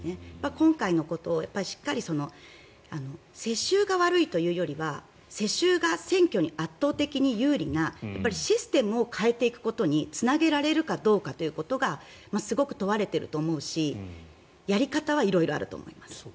今回のことをしっかり世襲が悪いというよりは世襲が選挙に圧倒的に有利なシステムを変えていくことにつなげられるかどうかということがすごく問われていると思うしやり方は色々あると思います。